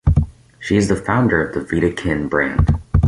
She is the founder of the Vita Kin brand.